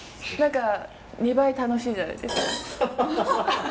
何か２倍楽しいじゃないですか。